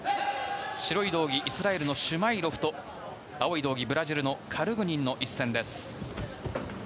白い道着、イスラエルのシュマイロフと青い道着、ブラジルのカルグニンの一戦です。